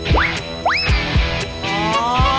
ครับ